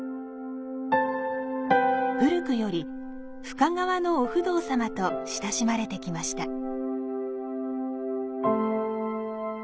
古くより「深川のお不動様」と親しまれてきました。